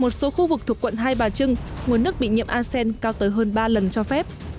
một số khu vực thuộc quận hai bà trưng nguồn nước bị nhiễm asean cao tới hơn ba lần cho phép